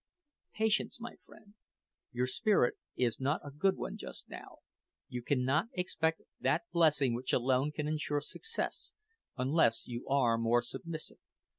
"Patience, my friend: your spirit is not a good one just now. You cannot expect that blessing which alone can ensure success unless you are more submissive.